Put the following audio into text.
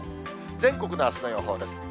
全国のあすの予報です。